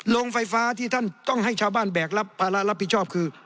โรงไฟฟ้าที่ท่านต้องให้ชาวบ้านแบกรับภาระรับผิดชอบคือ